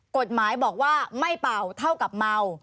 กฎหมายบอกว่าไม่เป่าเท่ากับเมา